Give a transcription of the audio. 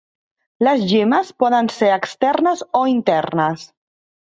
Les gemmes poden ser externes o internes.